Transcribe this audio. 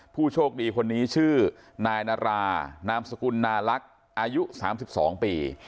ผู้โชคดีคนนี้ชื่อนายนารานามสกุลนาลักษณ์อายุ๓๒ปี